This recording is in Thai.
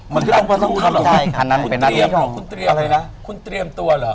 มันก็ต้องก็ต้องทำได้ค่ะอันนั้นเป็นนั้นอะไรนะคุณเตรียมตัวเหรอ